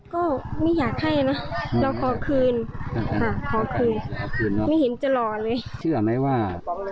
ก็ไม่อยากให้นะเราขอคืนค่ะขอคืนไม่เห็นจะรอเลยเชื่อไหมว่า